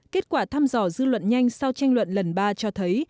kết quả thăm dò dư luận nhanh sau tranh luận lần ba cho thấy